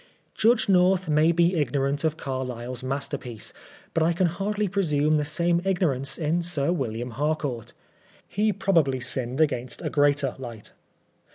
Judge North may be ignorant of Carlyle's masterpiece, but I can hardly presume the same ignorance in Sir William Harcoart. He probably Binned against a greater light.